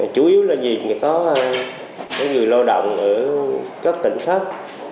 chủ yếu là gì có người lao động ở các tỉnh khác